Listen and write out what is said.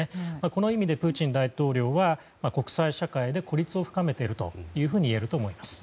この意味で、プーチン大統領は国際社会で孤立を深めているといえると思います。